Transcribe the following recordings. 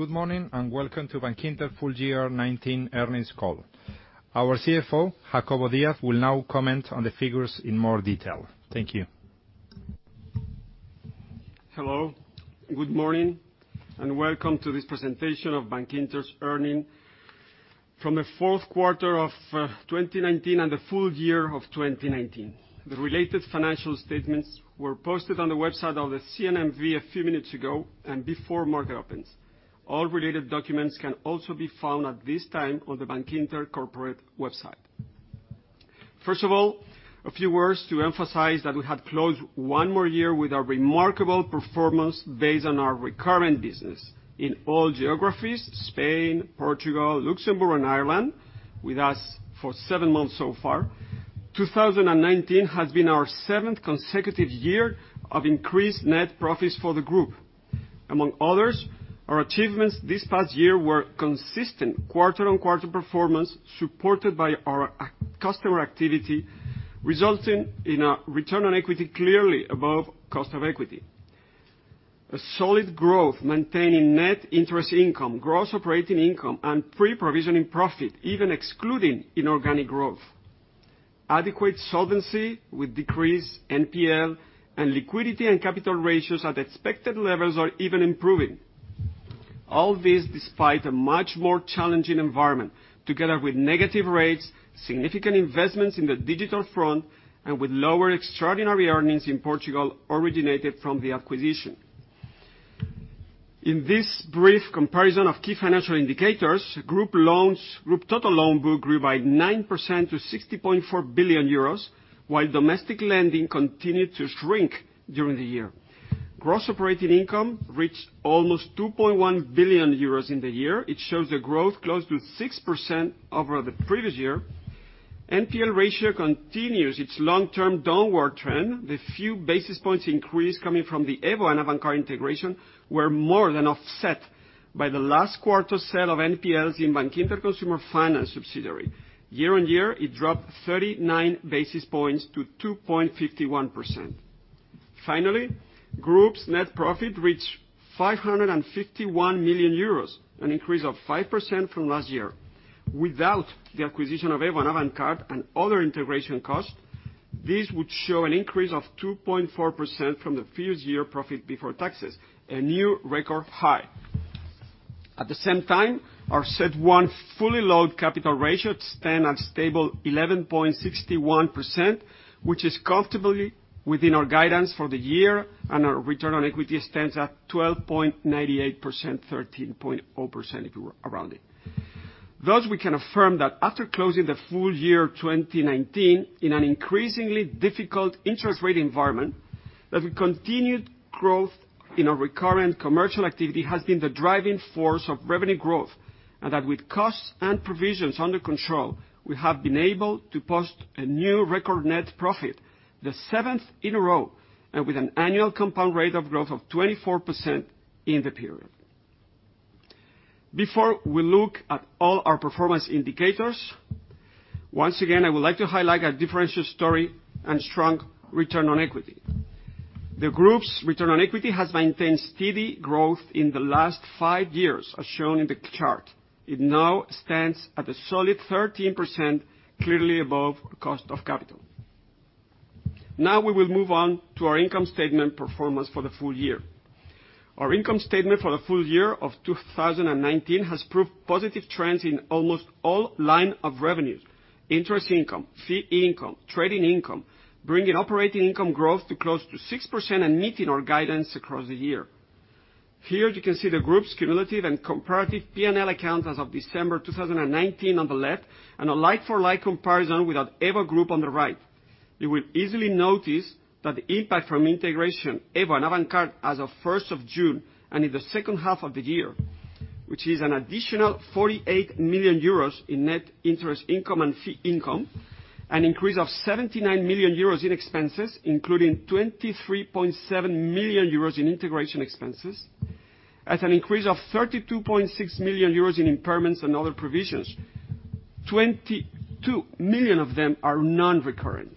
Good morning, welcome to Bankinter full year 2019 earnings call. Our CFO, Jacobo Díaz, will now comment on the figures in more detail. Thank you. Hello. Good morning, and welcome to this presentation of Bankinter's earnings from the fourth quarter of 2019 and the full year of 2019. The related financial statements were posted on the website of the CNMV a few minutes ago, and before market opens. All related documents can also be found at this time on the Bankinter corporate website. First of all, a few words to emphasize that we had closed one more year with a remarkable performance based on our recurring business in all geographies, Spain, Portugal, Luxembourg, and Ireland, with us for seven months so far. 2019 has been our seventh consecutive year of increased net profits for the group. Among others, our achievements this past year were consistent quarter-on-quarter performance supported by our customer activity, resulting in a return on equity clearly above cost of equity. A solid growth maintaining net interest income, gross operating income, and pre-provisioning profit, even excluding inorganic growth. Adequate solvency with decreased NPL, and liquidity and capital ratios at expected levels are even improving. All this despite a much more challenging environment, together with negative rates, significant investments in the digital front, and with lower extraordinary earnings in Portugal originated from the acquisition. In this brief comparison of key financial indicators, group total loan book grew by 9% to 60.4 billion euros, while domestic lending continued to shrink during the year. Gross operating income reached almost 2.1 billion euros in the year. It shows a growth close to 6% over the previous year. NPL ratio continues its long-term downward trend. The few basis points increase coming from the EVO and Avantcard integration were more than offset by the last quarter sale of NPLs in Bankinter Consumer Finance subsidiary. Year-on-year, it dropped 39 basis points to 2.51%. Finally, Group's net profit reached 551 million euros, an increase of 5% from last year. Without the acquisition of EVO and Avantcard and other integration costs, this would show an increase of 2.4% from the previous year profit before taxes, a new record high. At the same time, our CET1 fully loaded capital ratio stands at stable 11.61%, which is comfortably within our guidance for the year, and our return on equity stands at 12.98%, 13.0% if you round it. We can affirm that after closing the full year 2019 in an increasingly difficult interest rate environment, that we continued growth in our recurrent commercial activity has been the driving force of revenue growth, and that with costs and provisions under control, we have been able to post a new record net profit, the seventh in a row, and with an annual compound rate of growth of 24% in the period. Before we look at all our performance indicators, once again, I would like to highlight a differential story and strong return on equity. The group's return on equity has maintained steady growth in the last five years, as shown in the chart. It now stands at a solid 13%, clearly above cost of capital. We will move on to our income statement performance for the full year. Our income statement for the full year of 2019 has proved positive trends in almost all line of revenues, interest income, fee income, trading income, bringing operating income growth to close to 6% and meeting our guidance across the year. Here you can see the group's cumulative and comparative P&L accounts as of December 2019 on the left, and a like-for-like comparison without EVO group on the right. You will easily notice that the impact from integration, EVO and Avantcard as of 1st of June, and in the second half of the year, which is an additional 48 million euros in net interest income and fee income, an increase of 79 million euros in expenses, including 23.7 million euros in integration expenses. As an increase of 32.6 million euros in impairments and other provisions, 22 million of them are non-recurrent.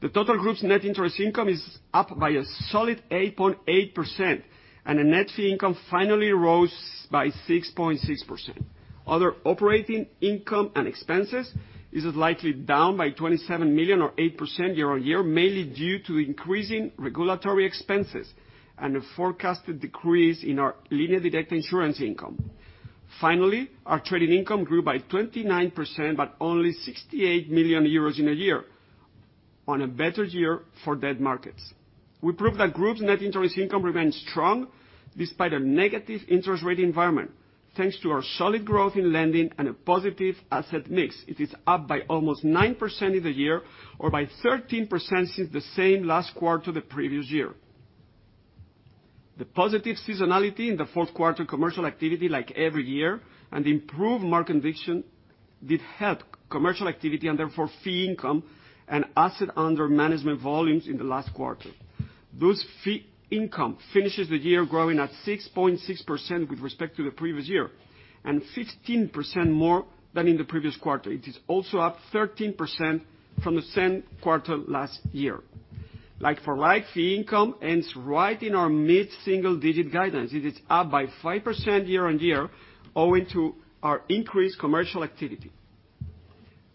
The total group's net interest income is up by a solid 8.8%. The net fee income finally rose by 6.6%. Other operating income and expenses is slightly down by 27 million or 8% year-over-year, mainly due to increasing regulatory expenses and a forecasted decrease in our Línea Directa insurance income. Our trading income grew by 29%, only 68 million euros in a year on a better year for debt markets. We prove that group's net interest income remains strong despite a negative interest rate environment, thanks to our solid growth in lending and a positive asset mix. It is up by almost 9% in the year or by 13% since the same last quarter the previous year. The positive seasonality in the fourth quarter commercial activity like every year, the improved market conviction did help commercial activity and therefore fee income and asset under management volumes in the last quarter. This fee income finishes the year growing at 6.6% with respect to the previous year, and 15% more than in the previous quarter. It is also up 13% from the same quarter last year. Like-for-like fee income ends right in our mid-single digit guidance. It is up by 5% year-on-year owing to our increased commercial activity.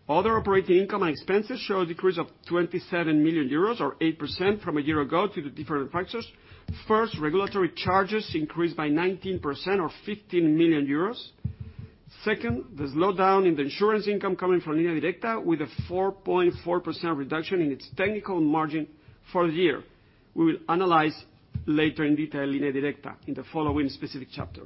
Other operating income and expenses show a decrease of 27 million euros or 8% from a year ago due to different factors. First, regulatory charges increased by 19% or 15 million euros. Second, the slowdown in the insurance income coming from Línea Directa, with a 4.4% reduction in its technical margin for the year. We will analyze later in detail Línea Directa in the following specific chapter.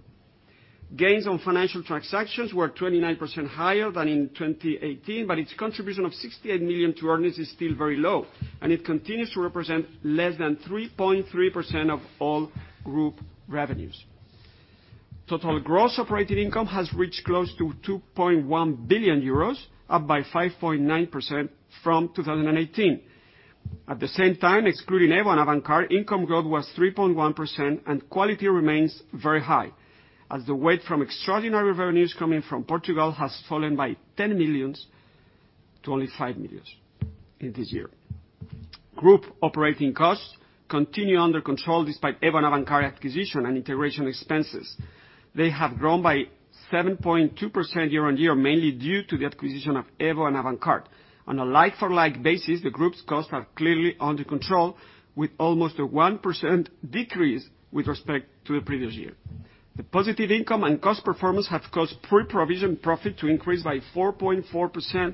Gains on financial transactions were 29% higher than in 2018. Its contribution of 68 million to earnings is still very low, and it continues to represent less than 3.3% of all group revenues. Total gross operating income has reached close to 2.1 billion euros, up by 5.9% from 2018. At the same time, excluding EVO and Avantcard, income growth was 3.1% and quality remains very high, as the weight from extraordinary revenues coming from Portugal has fallen by 10 million to only 5 million in this year. Group operating costs continue under control despite EVO and Avantcard acquisition and integration expenses. They have grown by 7.2% year-on-year, mainly due to the acquisition of EVO and Avantcard. On a like-for-like basis, the group's costs are clearly under control, with almost a 1% decrease with respect to the previous year. The positive income and cost performance have caused pre-provision profit to increase by 4.4%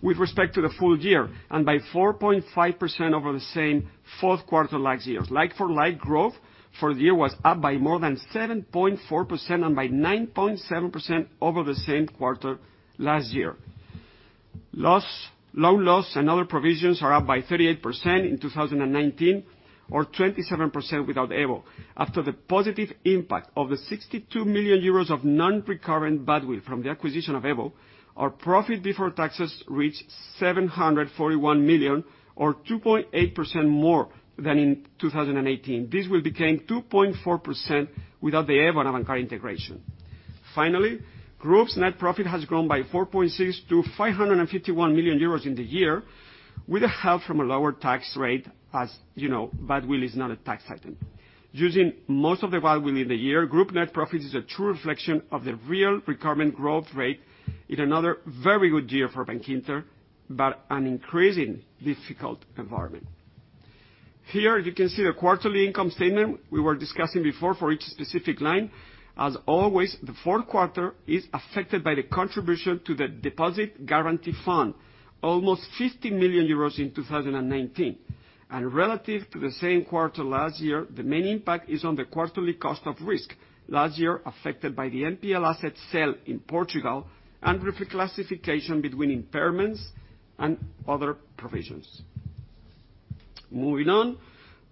with respect to the full year and by 4.5% over the same fourth quarter last year. Like-for-like growth for the year was up by more than 7.4% and by 9.7% over the same quarter last year. Loan loss and other provisions are up by 38% in 2019 or 27% without EVO. After the positive impact of the 62 million euros of non-recurrent badwill from the acquisition of EVO, our profit before taxes reached 741 million or 2.8% more than in 2018. This will became 2.4% without the EVO and Avantcard integration. Group's net profit has grown by 4.6% to 551 million euros in the year with the help from a lower tax rate as you know badwill is not a tax item. Using most of the badwill in the year, group net profit is a true reflection of the real recurrent growth rate in another very good year for Bankinter, an increasing difficult environment. Here you can see the quarterly income statement we were discussing before for each specific line. The fourth quarter is affected by the contribution to the deposit guarantee fund, almost 50 million euros in 2019. Relative to the same quarter last year, the main impact is on the quarterly cost of risk, last year affected by the NPL asset sale in Portugal and reclassification between impairments and other provisions. Moving on.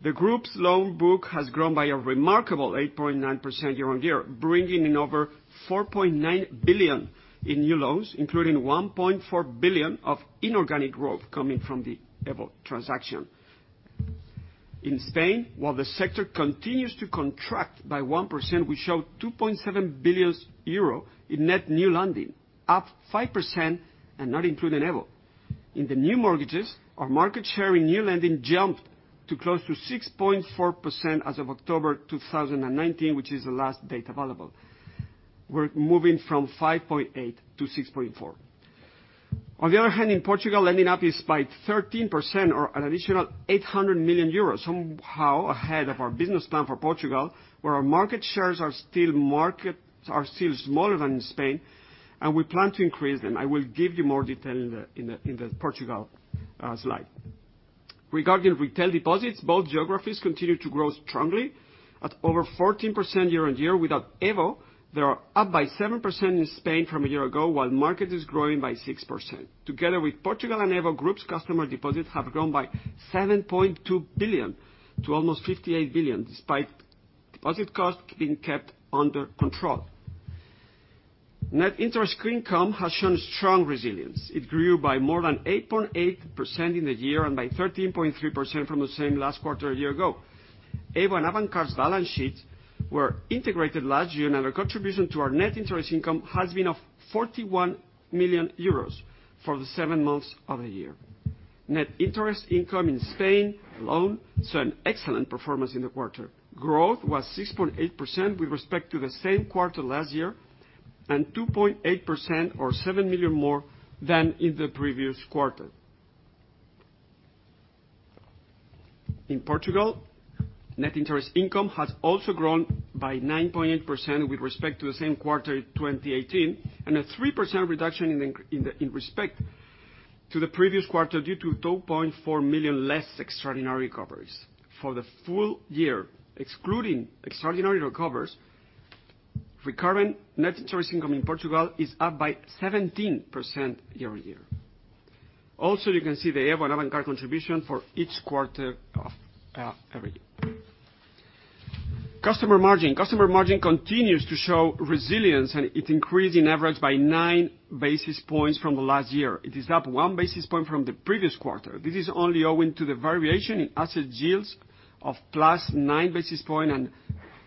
The group's loan book has grown by a remarkable 8.9% year-on-year, bringing in over 4.9 billion in new loans, including 1.4 billion of inorganic growth coming from the EVO transaction. In Spain, while the sector continues to contract by 1%, we show 2.7 billion euro in net new lending, up 5% and not including EVO. In the new mortgages, our market share in new lending jumped to close to 6.4% as of October 2019, which is the last data available. We're moving from 5.8% to 6.4%. On the other hand, in Portugal, lending up is by 13% or an additional 800 million euros, somehow ahead of our business plan for Portugal, where our market shares are still smaller than in Spain, and we plan to increase them. I will give you more detail in the Portugal slide. Regarding retail deposits, both geographies continue to grow strongly at over 14% year-on-year. Without EVO, they are up by 7% in Spain from a year ago, while market is growing by 6%. Together with Portugal and EVO, group's customer deposits have grown by 7.2 billion to almost 58 billion, despite deposit costs being kept under control. Net interest income has shown strong resilience. It grew by more than 8.8% in the year and by 13.3% from the same last quarter a year ago. EVO and Avantcard's balance sheets were integrated last year, and our contribution to our net interest income has been of 41 million euros for the seven months of the year. Net interest income in Spain alone saw an excellent performance in the quarter. Growth was 6.8% with respect to the same quarter last year and 2.8% or 7 million more than in the previous quarter. In Portugal, net interest income has also grown by 9.8% with respect to the same quarter in 2018, and a 3% reduction in respect to the previous quarter due to 2.4 million less extraordinary recoveries. For the full year, excluding extraordinary recoveries, recurrent net interest income in Portugal is up by 17% year-on-year. You can see the EVO and Avantcard contribution for each quarter of every year. Customer margin. Customer margin continues to show resilience, and it increased in average by nine basis points from the last year. It is up one basis point from the previous quarter. This is only owing to the variation in asset yields of plus nine basis points and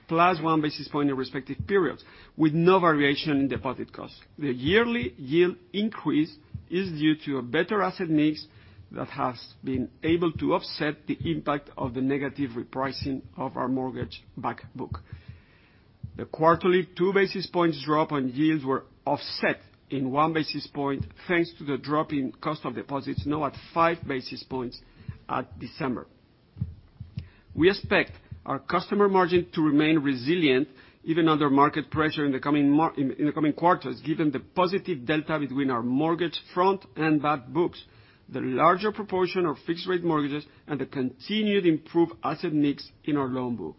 plus one basis point in respective periods, with no variation in deposit costs. The yearly yield increase is due to a better asset mix that has been able to offset the impact of the negative repricing of our mortgage-backed book. The quarterly two basis points drop on yields were offset in one basis point, thanks to the drop in cost of deposits, now at five basis points at December. We expect our customer margin to remain resilient, even under market pressure in the coming quarters, given the positive delta between our mortgage front and back books. The larger proportion of fixed rate mortgages and the continued improved asset mix in our loan book.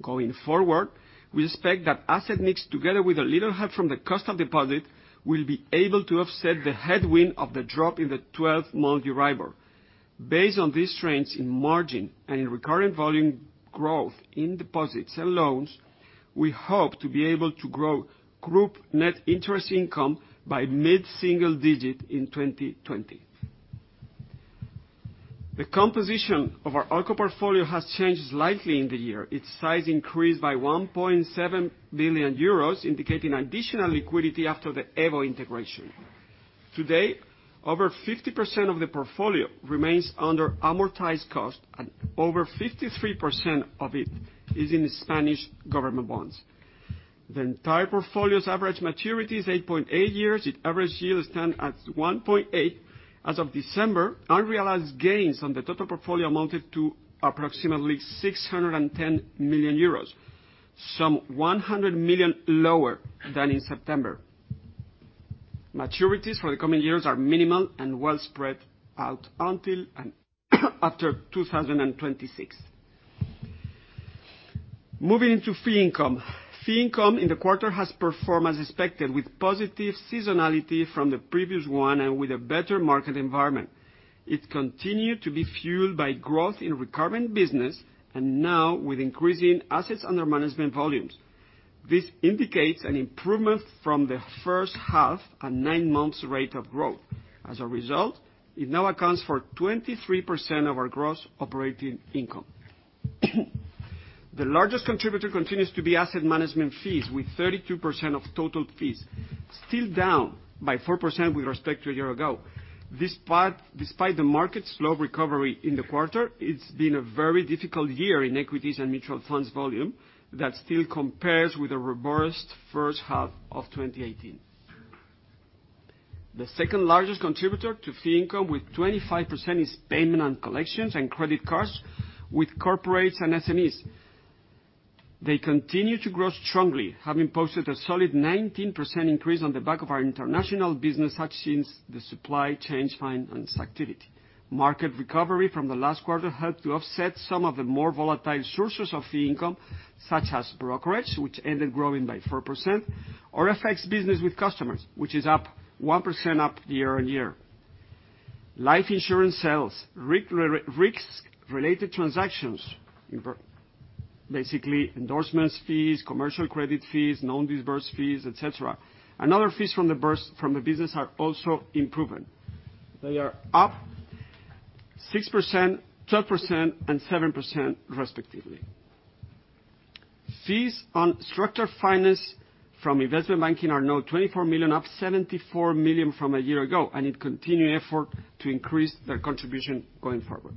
Going forward, we expect that asset mix, together with a little help from the cost of deposit, will be able to offset the headwind of the drop in the 12-month EURIBOR. Based on these trends in margin and in recurrent volume growth in deposits and loans, we hope to be able to grow group net interest income by mid-single digit in 2020. The composition of our ALCO portfolio has changed slightly in the year. Its size increased by 1.7 billion euros, indicating additional liquidity after the EVO integration. Today, over 50% of the portfolio remains under amortized cost, and over 53% of it is in Spanish government bonds. The entire portfolio's average maturity is 8.8 years. Its average yield stands at 1.8 as of December. Unrealized gains on the total portfolio amounted to approximately 610 million euros, some 100 million lower than in September. Maturities for the coming years are minimal and well spread out until and after 2026. Moving into fee income. Fee income in the quarter has performed as expected, with positive seasonality from the previous one and with a better market environment. It continued to be fueled by growth in recurring business and now with increasing assets under management volumes. This indicates an improvement from the first half and nine months rate of growth. As a result, it now accounts for 23% of our gross operating income. The largest contributor continues to be asset management fees, with 32% of total fees, still down by 4% with respect to a year ago. Despite the market's slow recovery in the quarter, it's been a very difficult year in equities and mutual funds volume that still compares with a robust first half of 2018. The second largest contributor to fee income, with 25%, is payment on collections and credit cards with corporates and SMEs. They continue to grow strongly, having posted a solid 19% increase on the back of our international business, such as the supply chain finance activity. Market recovery from the last quarter helped to offset some of the more volatile sources of fee income, such as brokerage, which ended growing by 4%, or effects business with customers, which is up 1% year-on-year. Life insurance sales, risk-related transactions, basically endorsements fees, commercial credit fees, non-dispersed fees, et cetera, and other fees from the business are also improving. They are up 6%, 12%, and 7% respectively. Fees on structured finance from investment banking are now 24 million, up 274 million from a year ago, and need continued effort to increase their contribution going forward.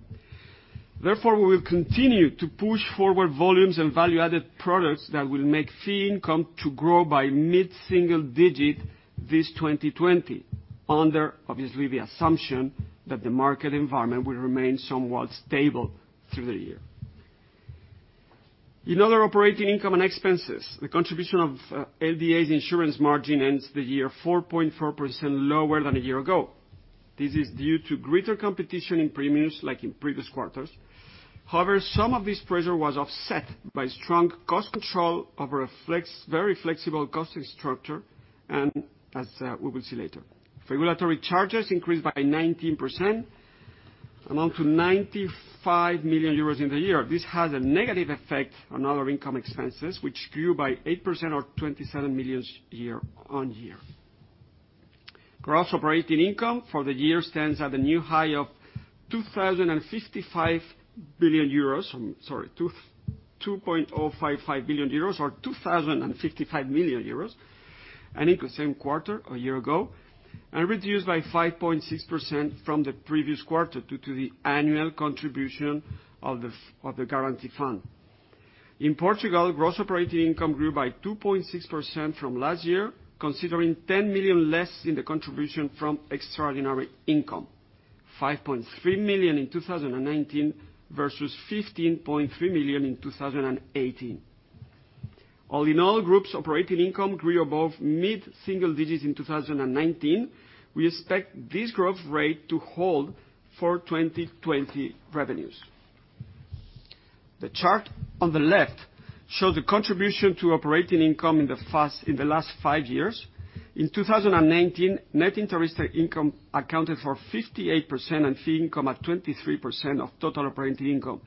We will continue to push forward volumes and value-added products that will make fee income to grow by mid-single digit this 2020. Under, obviously, the assumption that the market environment will remain somewhat stable through the year. In other operating income and expenses, the contribution of LDA's insurance margin ends the year 4.4% lower than a year ago. This is due to greater competition in premiums, like in previous quarters. Some of this pressure was offset by strong cost control over a very flexible costing structure, and as we will see later. Regulatory charges increased by 19%, amount to 95 million euros in the year. This has a negative effect on other income expenses, which grew by 8% or 27 million year-on-year. Gross operating income for the year stands at a new high of 2,055 million euros. I'm sorry, 2.055 billion euros or 2,055 million euros, and in the same quarter a year ago, reduced by 5.6% from the previous quarter due to the annual contribution of the guarantee fund. In Portugal, gross operating income grew by 2.6% from last year, considering 10 million less in the contribution from extraordinary income, 5.3 million in 2019 versus 15.3 million in 2018. All in all, groups operating income grew above mid-single digits in 2019. We expect this growth rate to hold for 2020 revenues. The chart on the left shows the contribution to operating income in the last five years. In 2019, net interest income accounted for 58% and fee income at 23% of total operating income.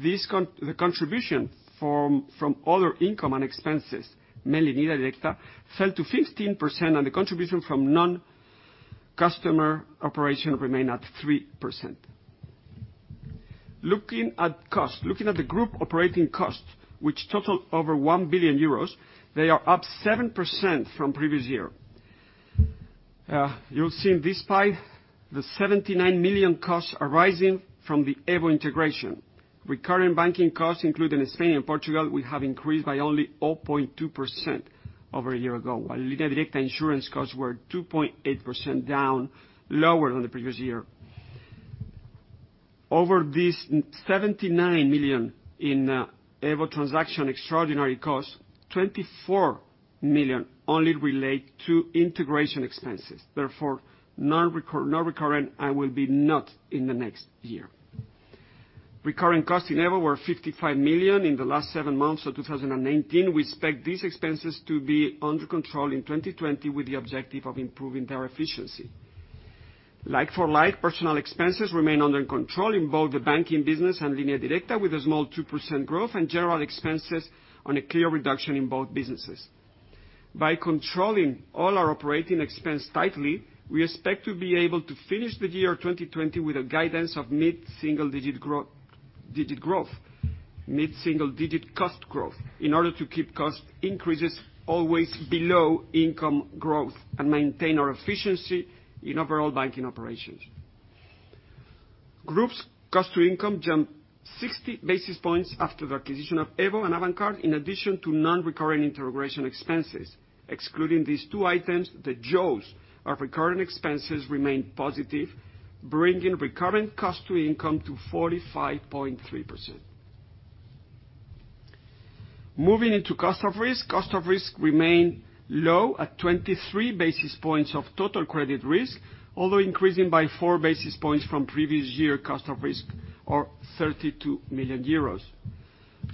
The contribution from other income and expenses, mainly Línea Directa, fell to 15%, and the contribution from non-customer operation remained at 3%. Looking at the group operating costs, which total over 1 billion euros, they are up 7% from previous year. You'll see in this pie, the 79 million costs arising from the EVO integration. Recurrent banking costs, including Spain and Portugal, we have increased by only 0.2% over a year ago, while Línea Directa insurance costs were 2.8% down, lower than the previous year. Over this 79 million in EVO transaction extraordinary costs, 24 million only relate to integration expenses. Therefore, non-recurrent and will be not in the next year. Recurrent costs in EVO were 55 million in the last seven months of 2019. We expect these expenses to be under control in 2020, with the objective of improving their efficiency. Like-for-like, personal expenses remain under control in both the banking business and Línea Directa, with a small 2% growth, and general expenses on a clear reduction in both businesses. By controlling all our operating expense tightly, we expect to be able to finish the year 2020 with a guidance of mid-single-digit growth, mid-single-digit cost growth, in order to keep cost increases always below income growth and maintain our efficiency in overall banking operations. Group's cost-to-income jumped 60 basis points after the acquisition of EVO and Avantcard, in addition to non-recurrent integration expenses. Excluding these two items, the jaws of recurring expenses remained positive, bringing recurrent cost-to-income to 45.3%. Moving into cost of risk. Cost of risk remained low at 23 basis points of total credit risk, although increasing by four basis points from previous year cost of risk or 32 million euros.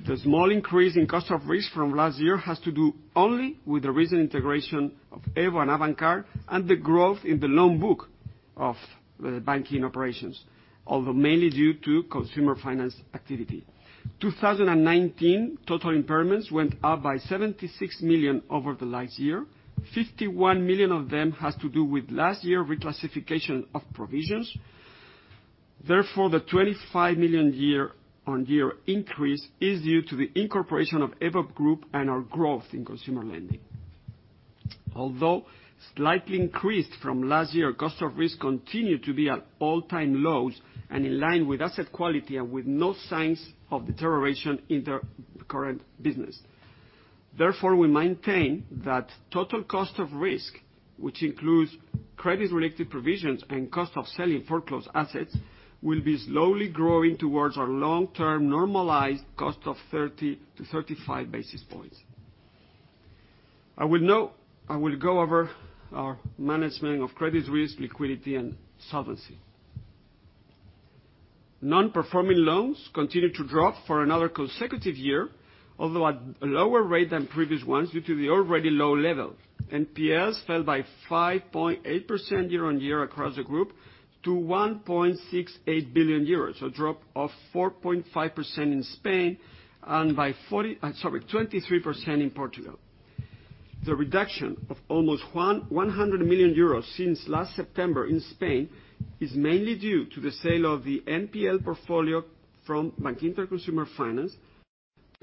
The small increase in cost of risk from last year has to do only with the recent integration of EVO and Avantcard and the growth in the loan book of the banking operations, although mainly due to consumer finance activity. 2019, total impairments went up by 76 million over the last year. 51 million of them has to do with last year reclassification of provisions. The 25 million year-on-year increase is due to the incorporation of EVO group and our growth in consumer lending. Although slightly increased from last year, cost of risk continued to be at all-time lows and in line with asset quality and with no signs of deterioration in the current business. We maintain that total cost of risk, which includes credit-related provisions and cost of selling foreclosed assets, will be slowly growing towards our long-term normalized cost of 30-35 basis points. I will go over our management of credit risk, liquidity, and solvency. Non-performing loans continued to drop for another consecutive year, although at a lower rate than previous ones due to the already low level. NPLs fell by 5.8% year-on-year across the group to 1.68 billion euros, a drop of 4.5% in Spain and by 23% in Portugal. The reduction of almost 100 million euros since last September in Spain is mainly due to the sale of the NPL portfolio from Bankinter Consumer Finance,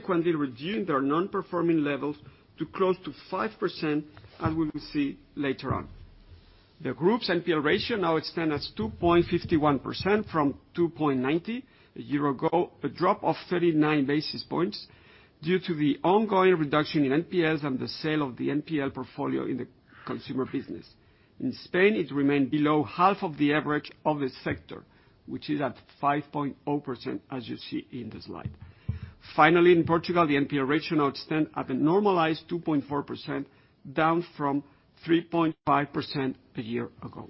when they reduced their non-performing levels to close to 5%, as we will see later on. The group's NPL ratio now stands at 2.51% from 2.90% a year ago, a drop of 39 basis points due to the ongoing reduction in NPLs and the sale of the NPL portfolio in the consumer business. In Spain, it remained below half of the average of the sector, which is at 5.0%, as you see in the slide. Finally, in Portugal, the NPL ratio now stands at a normalized 2.4%, down from 3.5% a year ago.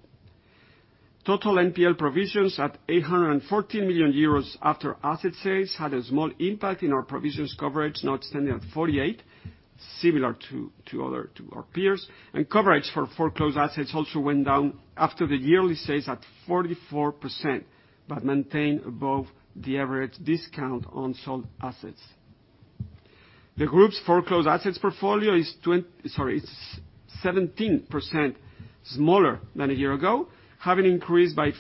Total NPL provisions at 814 million euros after asset sales had a small impact in our provisions coverage, now standing at 48%, similar to our peers. Coverage for foreclosed assets also went down after the yearly sales at 44%, but maintained above the average discount on sold assets. The group's foreclosed assets portfolio is 17% smaller than a year ago, having decreased by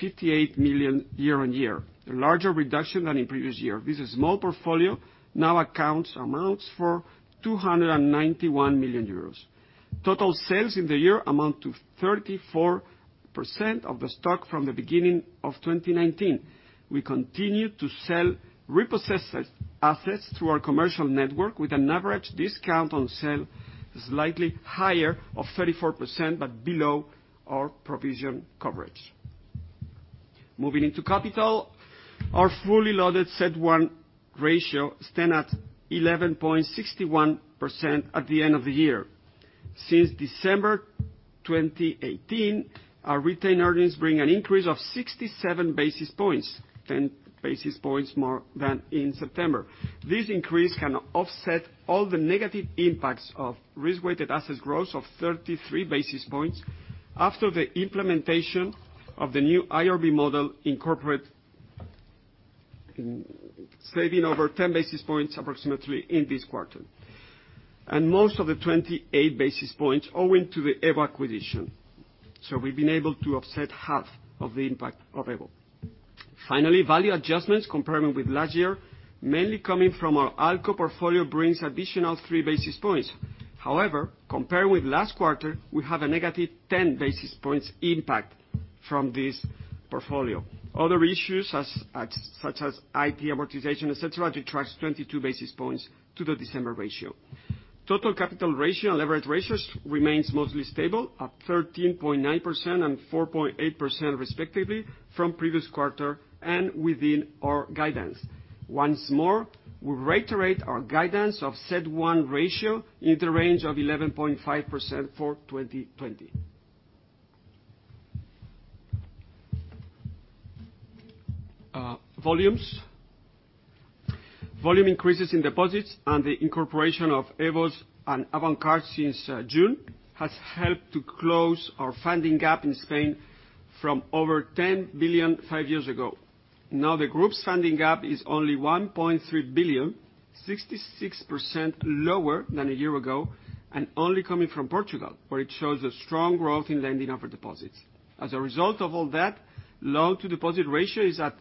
58 million year-on-year, a larger reduction than in previous year. This small portfolio now amounts for 291 million euros. Total sales in the year amount to 34% of the stock from the beginning of 2019. We continued to sell repossessed assets through our commercial network with an average discount on sale slightly higher of 34%, below our provision coverage. Moving into capital, our fully loaded CET1 ratio stand at 11.61% at the end of the year. Since December 2018, our retained earnings bring an increase of 67 basis points, 10 basis points more than in September. This increase can offset all the negative impacts of risk-weighted assets growth of 33 basis points after the implementation of the new IRB model in corporate, saving over 10 basis points approximately in this quarter. Most of the 28 basis points owing to the EVO acquisition. We've been able to offset half of the impact of EVO. Finally, value adjustments comparing with last year, mainly coming from our ALCO portfolio, brings additional three basis points. Compared with last quarter, we have a negative 10 basis points impact from this portfolio. Other issues, such as IT amortization, et cetera, detract 22 basis points to the December ratio. Total capital ratio and leverage ratios remain mostly stable at 13.9% and 4.8%, respectively, from previous quarter and within our guidance. Once more, we reiterate our guidance of CET1 ratio in the range of 11.5% for 2020. Volumes. Volume increases in deposits and the incorporation of EVOs and Avantcard since June has helped to close our funding gap in Spain from over 10 billion five years ago. Now the group's funding gap is only 1.3 billion, 66% lower than a year ago, and only coming from Portugal, where it shows a strong growth in lending over deposits. As a result of all that, loan-to-deposit ratio is at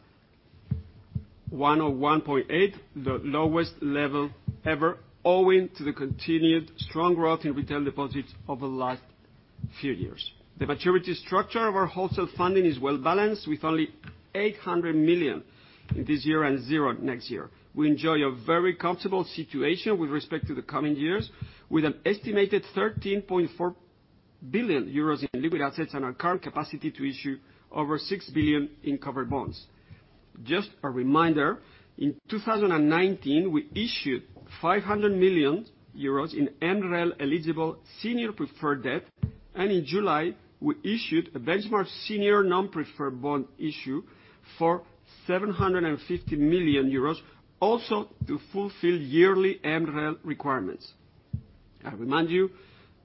101.8, the lowest level ever, owing to the continued strong growth in retail deposits over the last few years. The maturity structure of our wholesale funding is well-balanced, with only 800 million in this year and zero next year. We enjoy a very comfortable situation with respect to the coming years, with an estimated 13.4 billion euros in liquid assets and our current capacity to issue over 6 billion in covered bonds. Just a reminder, in 2019, we issued 500 million euros in MREL-eligible senior preferred debt, and in July, we issued a benchmark senior non-preferred bond issue for 750 million euros, also to fulfill yearly MREL requirements. I remind you,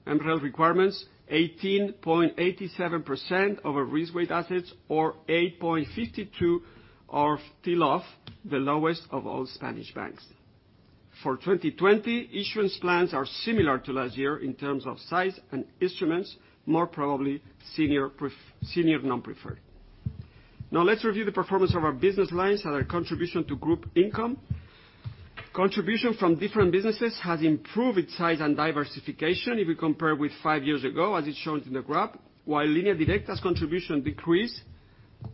MREL requirements, 18.87% of our risk-weighted assets or 8.52 are still off, the lowest of all Spanish banks. For 2020, issuance plans are similar to last year in terms of size and instruments, more probably senior non-preferred. Let's review the performance of our business lines and our contribution to group income. Contribution from different businesses has improved its size and diversification if we compare with five years ago, as it's shown in the graph. While Línea Directa's contribution decreased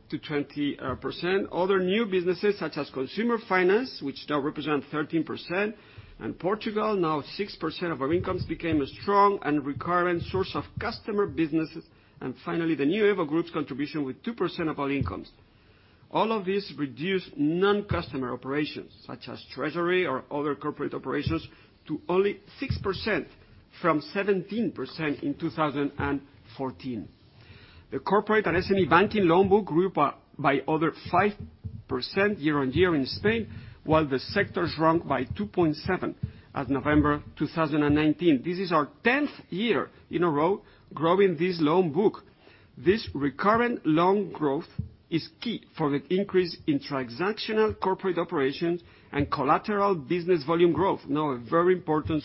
to 20%, other new businesses such as Bankinter Consumer Finance, which now represent 13%, and Portugal, now 6% of our incomes became a strong and recurring source of customer businesses. Finally, the new EVO group's contribution with 2% of our incomes. All of this reduced non-customer operations, such as treasury or other corporate operations, to only 6% from 17% in 2014. The corporate and SME banking loan book grew by over 5% year-on-year in Spain, while the sector shrunk by 2.7% as November 2019. This is our 10th year in a row growing this loan book. This recurrent loan growth is key for the increase in transactional corporate operations and collateral business volume growth. Now a very important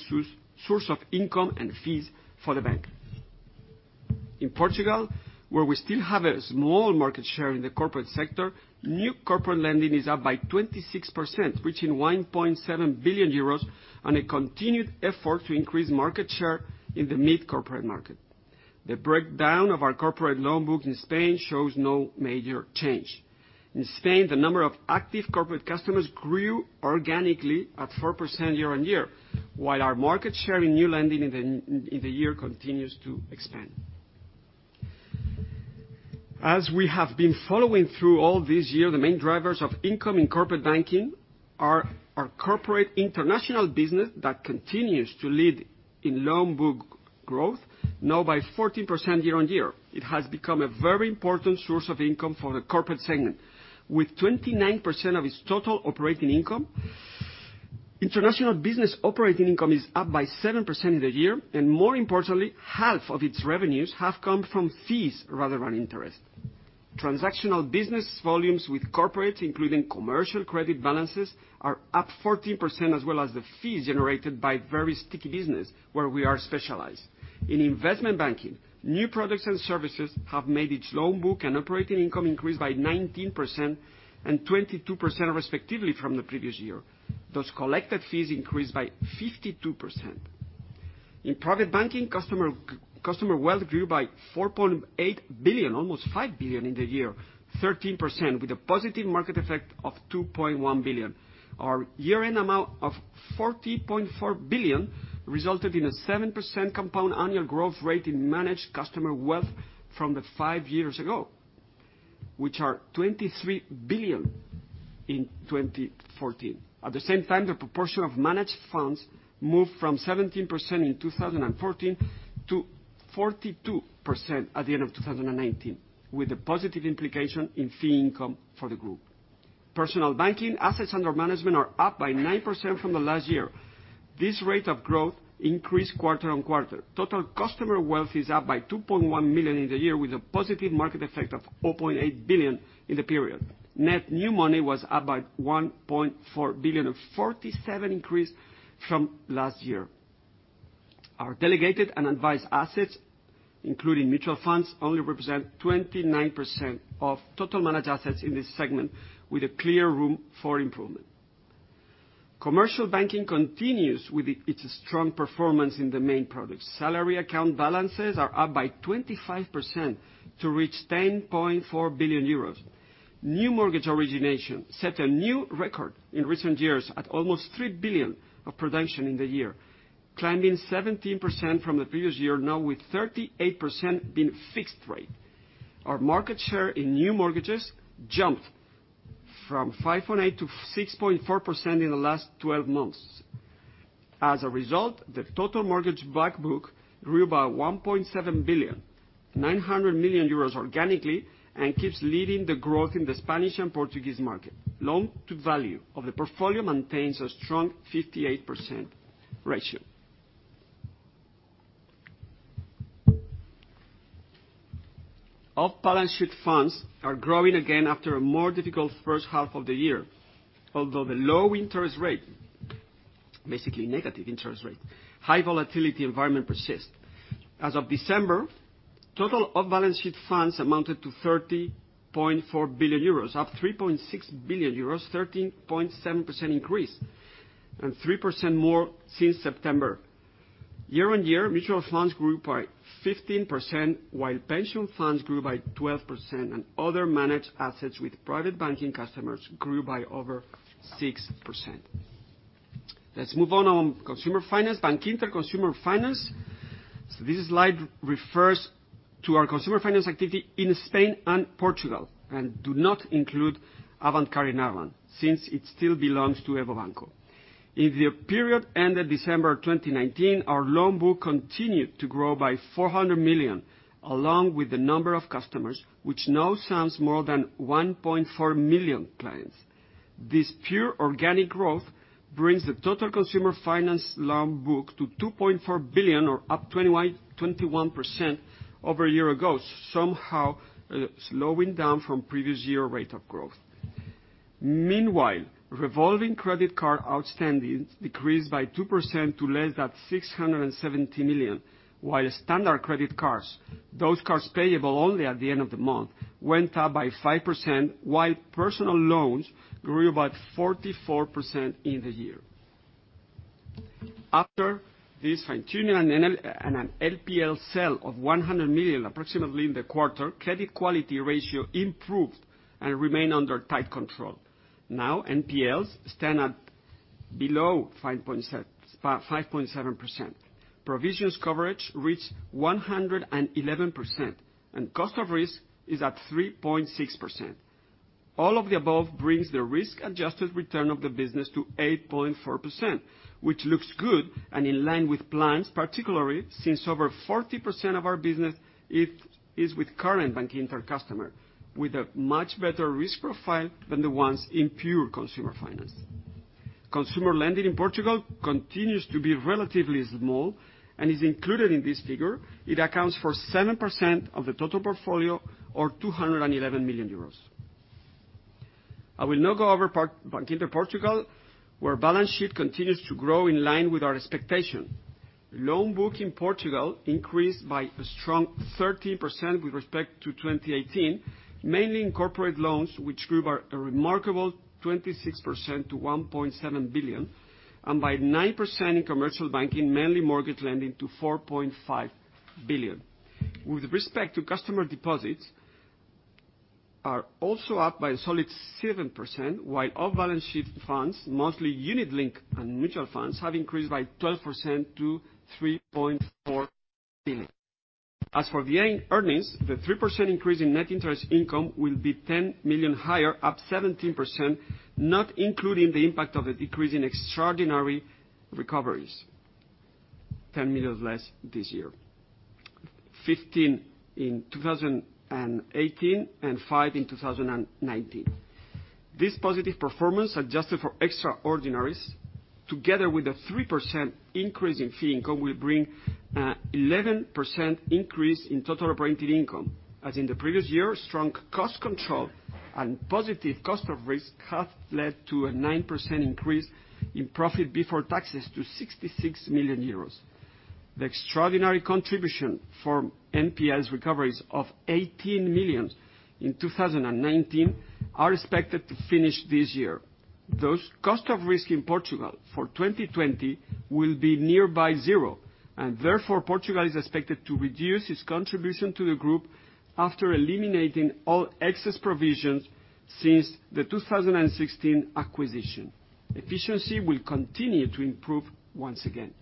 source of income and fees for the bank. In Portugal, where we still have a small market share in the corporate sector, new corporate lending is up by 26%, reaching 1.7 billion euros on a continued effort to increase market share in the mid-corporate market. The breakdown of our corporate loan book in Spain shows no major change. In Spain, the number of active corporate customers grew organically at 4% year-on-year, while our market share in new lending in the year continues to expand. As we have been following through all this year, the main drivers of income in corporate banking are our corporate international business that continues to lead in loan book growth, now by 14% year-on-year. It has become a very important source of income for the corporate segment. With 29% of its total operating income, international business operating income is up by 7% in the year, and more importantly, half of its revenues have come from fees rather than interest. Transactional business volumes with corporate, including commercial credit balances, are up 14%, as well as the fees generated by very sticky business where we are specialized. In investment banking, new products and services have made each loan book and operating income increase by 19% and 22% respectively from the previous year. Those collected fees increased by 52%. In private banking, customer wealth grew by 4.8 billion, almost 5 billion in the year, 13%, with a positive market effect of 2.1 billion. Our year-end amount of 40.4 billion resulted in a 7% compound annual growth rate in managed customer wealth from the five years ago, which are 23 billion in 2014. At the same time, the proportion of managed funds moved from 17% in 2014 to 42% at the end of 2019, with a positive implication in fee income for the group. Personal banking assets under management are up by 9% from the last year. This rate of growth increased quarter-on-quarter. Total customer wealth is up by 2.1 million in the year, with a positive market effect of 4.8 billion in the period. Net new money was up by 1.4 billion, a 47% increase from last year. Our delegated and advised assets, including mutual funds, only represent 29% of total managed assets in this segment, with a clear room for improvement. Commercial banking continues with its strong performance in the main products. Salary account balances are up by 25% to reach 10.4 billion euros. New mortgage origination set a new record in recent years at almost 3 billion of production in the year, climbing 17% from the previous year, now with 38% being fixed rate. Our market share in new mortgages jumped from 5.8%-6.4% in the last 12 months. As a result, the total mortgage back book grew by 1.7 billion, 900 million euros organically, and keeps leading the growth in the Spanish and Portuguese market. Loan-to-value of the portfolio maintains a strong 58% ratio. Off-balance sheet funds are growing again after a more difficult first half of the year. Although the low interest rate, basically negative interest rate, high volatility environment persist. As of December, total off-balance sheet funds amounted to 30.4 billion euros, up 3.6 billion euros, 13.7% increase, and 3% more since September. Year-over-year, mutual funds grew by 15%, while pension funds grew by 12%, and other managed assets with private banking customers grew by over 6%. Let's move on on consumer finance. Bankinter Consumer Finance. This slide refers to our consumer finance activity in Spain and Portugal, and do not include Avantcard in Ireland, since it still belongs to EVO Banco. In the period ended December 2019, our loan book continued to grow by 400 million, along with the number of customers, which now sums more than 1.4 million clients. This pure organic growth brings the total consumer finance loan book to 2.4 billion or up 21% over a year ago, somehow slowing down from previous year rate of growth. Revolving credit card outstandings decreased by 2% to less than 670 million, while standard credit cards, those cards payable only at the end of the month, went up by 5%, while personal loans grew by 44% in the year. After this fine-tuning and an NPL sale of 100 million, approximately in the quarter, credit quality ratio improved and remained under tight control. NPLs stand at below 5.7%. Provisions coverage reached 111%, and cost of risk is at 3.6%. All of the above brings the risk-adjusted return of the business to 8.4%, which looks good and in line with plans, particularly since over 40% of our business is with current Bankinter customer, with a much better risk profile than the ones in pure consumer finance. Consumer lending in Portugal continues to be relatively small and is included in this figure. It accounts for 7% of the total portfolio or 211 million euros. I will now go over Bankinter Portugal, where balance sheet continues to grow in line with our expectation. Loan book in Portugal increased by a strong 13% with respect to 2018, mainly in corporate loans, which grew by a remarkable 26% to 1.7 billion, and by 9% in commercial banking, mainly mortgage lending to 4.5 billion. With respect to customer deposits are also up by a solid 7%, while off-balance sheet funds, mostly unit-linked and mutual funds, have increased by 12% to 3.4 billion. As for the earnings, the 3% increase in net interest income will be 10 million higher, up 17%, not including the impact of the decrease in extraordinary recoveries. 10 million less this year, 15 million in 2018, and 5 million in 2019. This positive performance, adjusted for extraordinaries, together with a 3% increase in fee income, will bring 11% increase in total operating income. As in the previous year, strong cost control and positive cost of risk have led to a 9% increase in profit before taxes to 66 million euros. The extraordinary contribution from NPLs recoveries of 18 million in 2019 are expected to finish this year. Those cost of risk in Portugal for 2020 will be nearby zero, and therefore, Portugal is expected to reduce its contribution to the group after eliminating all excess provisions since the 2016 acquisition. Efficiency will continue to improve once again.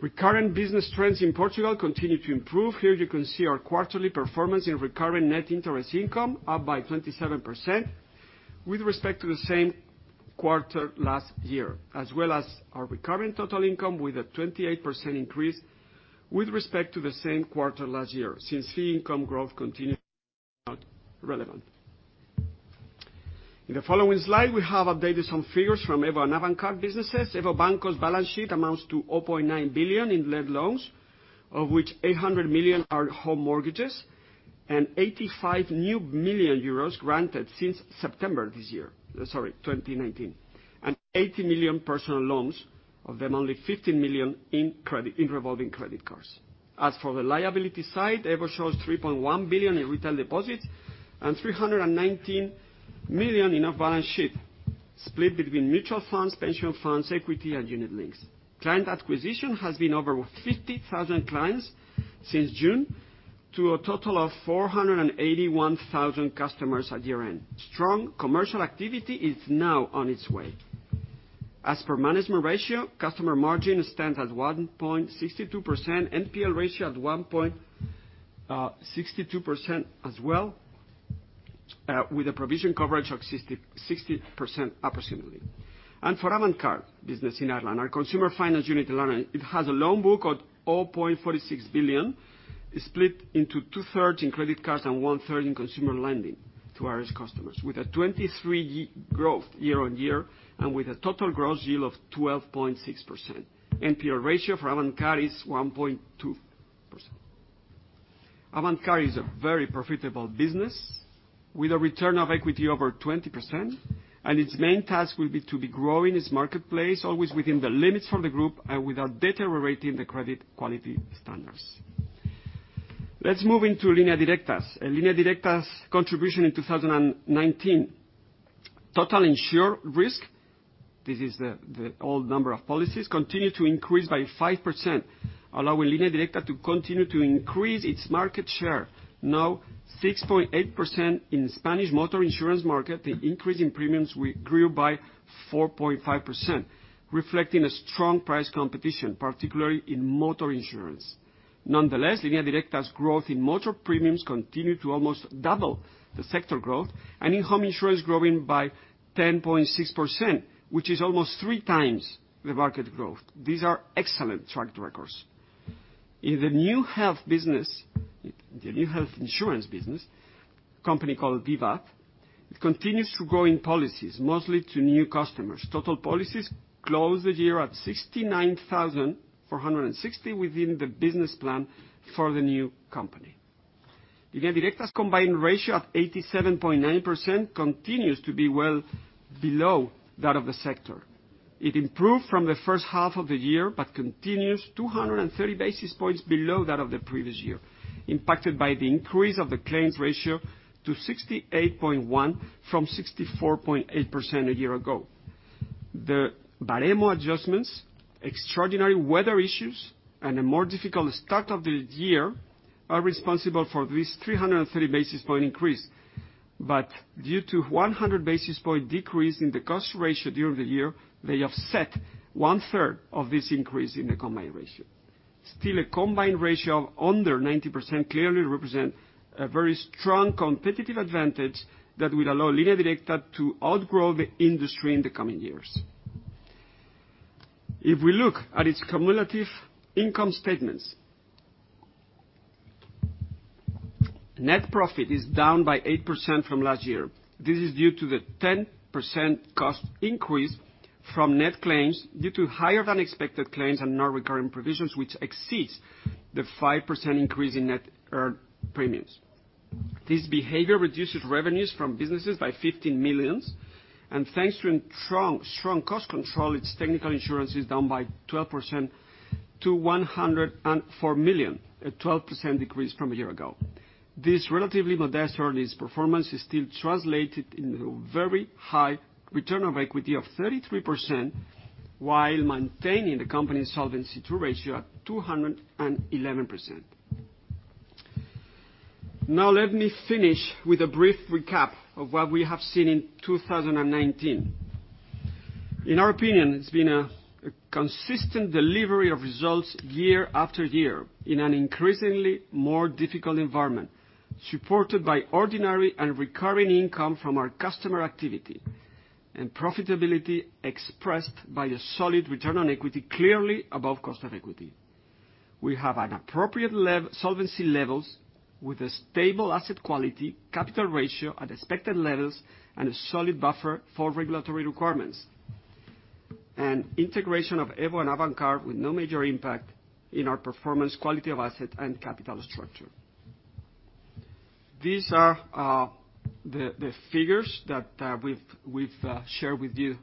Recurrent business trends in Portugal continue to improve. Here you can see our quarterly performance in recurring net interest income, up by 27% with respect to the same quarter last year, as well as our recurring total income with a 28% increase with respect to the same quarter last year, since fee income growth continued relevant. In the following slide, we have updated some figures from EVO and Avantcard businesses. EVO Banco's balance sheet amounts to 0.9 billion in net loans, of which 800 million are home mortgages and 85 million euros granted since September 2019. 80 million personal loans, of them only 15 million in revolving credit cards. As for the liability side, EVO shows 3.1 billion in retail deposits and 319 million in off-balance sheet, split between mutual funds, pension funds, equity, and unit links. Client acquisition has been over 50,000 clients since June to a total of 481,000 customers at year-end. Strong commercial activity is now on its way. As per management ratio, customer margin stands at 1.62%, NPL ratio at 1.62% as well, with a provision coverage of 60% approximately. For Avantcard business in Ireland, our consumer finance unit in Ireland, it has a loan book of 0.46 billion. It's split into two-thirds in credit cards and one-third in consumer lending to Irish customers, with a 23% growth year-on-year and with a total gross yield of 12.6%. NPL ratio for Avantcard is 1.2%. Avantcard is a very profitable business with a return on equity over 20%, and its main task will be to be growing its marketplace, always within the limits for the group and without deteriorating the credit quality standards. Let's move into Línea Directa. Línea Directa's contribution in 2019. Total insured risk, this is the all number of policies, continued to increase by 5%, allowing Línea Directa to continue to increase its market share. Now 6.8% in the Spanish motor insurance market, the increase in premiums grew by 4.5%, reflecting a strong price competition, particularly in motor insurance. Nonetheless, Línea Directa's growth in motor premiums continued to almost double the sector growth, and in home insurance growing by 10.6%, which is almost three times the market growth. These are excellent track records. In the new health insurance business, company called Vivaz, it continues to grow in policies, mostly to new customers. Total policies closed the year at 69,460 within the business plan for the new company. Línea Directa's combined ratio of 87.9% continues to be well below that of the sector. It improved from the first half of the year but continues 230 basis points below that of the previous year, impacted by the increase of the claims ratio to 68.1% from 64.8% a year ago. The baremo adjustments, extraordinary weather issues, and a more difficult start of the year are responsible for this 330 basis point increase. Due to 100 basis point decrease in the cost ratio during the year, they offset one-third of this increase in the combined ratio. A combined ratio of under 90% clearly represent a very strong competitive advantage that will allow Línea Directa to outgrow the industry in the coming years. If we look at its cumulative income statements, net profit is down by 8% from last year. This is due to the 10% cost increase from net claims due to higher than expected claims and non-recurring provisions which exceeds the 5% increase in net earned premiums. This behavior reduces revenues from businesses by 15 million. Thanks to strong cost control, its technical insurance is down by 12% to 104 million, a 12% decrease from a year ago. This relatively modest earnings performance is still translated into a very high return on equity of 33%, while maintaining the company's solvency ratio at 211%. Let me finish with a brief recap of what we have seen in 2019. In our opinion, it's been a consistent delivery of results year-after-year in an increasingly more difficult environment, supported by ordinary and recurring income from our customer activity and profitability expressed by a solid return on equity, clearly above cost of equity. We have appropriate solvency levels with a stable asset quality, capital ratio at expected levels, and a solid buffer for regulatory requirements. Integration of EVO and Avantcard with no major impact in our performance, quality of asset, and capital structure. These are the figures that we've shared with you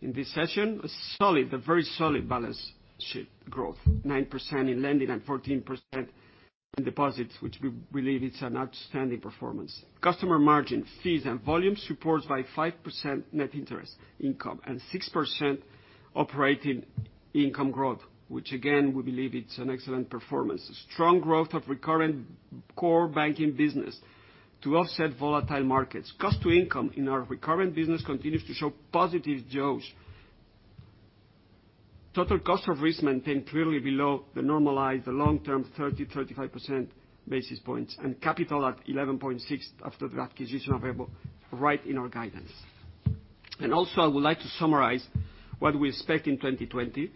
in this session. A very solid balance sheet growth, 9% in lending and 14% in deposits, which we believe it's an outstanding performance. Customer margin, fees, and volumes supported by 5% net interest income and 6% operating income growth, which again, we believe it's an excellent performance. A strong growth of recurrent core banking business to offset volatile markets. Cost-to-income in our recurrent business continues to show positive growth. Total cost of risk maintained clearly below the normalized, the long-term 30-35 basis points, and capital at 11.6% after the acquisition of EVO, right in our guidance. Also, I would like to summarize what we expect in 2020.